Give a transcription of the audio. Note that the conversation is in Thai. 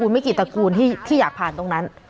ไม่กี่ตระกูลที่อยากผ่านตรงนั้น